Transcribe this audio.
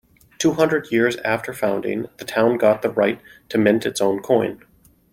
Two hundred years after founding, the town got the right to mint its own coin.